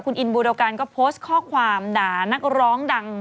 คุณอินบูรกันก็โพสต์ข้อความด่านักร้องดัง